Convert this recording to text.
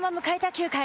９回。